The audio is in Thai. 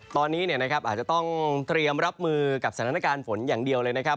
ตอนนี้อาจจะต้องเตรียมรับมือกับสถานการณ์ฝนอย่างเดียวเลยนะครับ